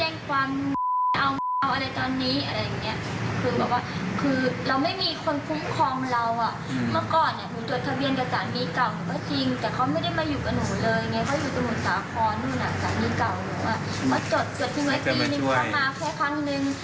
จดจดทีมากี่ปีหนึ่งมาแค่ครั้งนึง